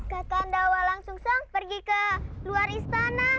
kakak nda walangsungsang pergi ke luar istana